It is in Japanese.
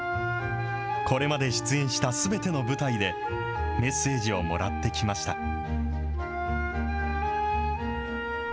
これまで出演したすべての舞台で、メッセージをもらってきました。